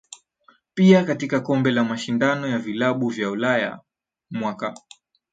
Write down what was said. Pia katika kombe la mashindano ya vilabu vya Ulaya mwaka